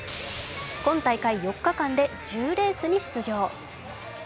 今大会４日間で１０レースに出場。